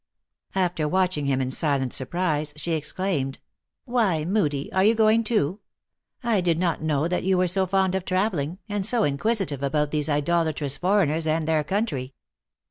After watching him in silent surprise, she exclaim ed :" Why, Moodie, are you going too ? I did not know that you were so fond of traveling, and so in quisitive about these idolatrous foreigners and their country."